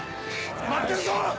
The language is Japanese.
待ってるぞ！